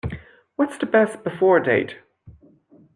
What’s the Best Before date?